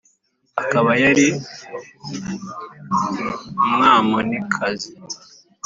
Akaba yari Umwamonikazi .